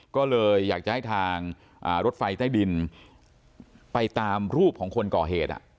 ก็เลยอยากจะให้ทางรถไฟใต้ดินไปตามรูปของคนก่อเหตุ